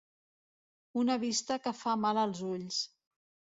Una vista que fa mal als ulls.